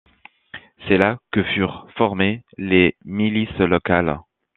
C'est là que furent formées les milices locales.